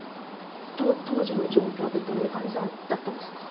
当時の状況ってどういう感じだったんですか？